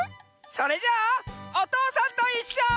それじゃ「おとうさんといっしょ」。